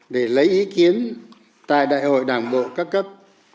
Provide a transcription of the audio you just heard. để lấy ý kiến tại đại hội đảng bộ các cấp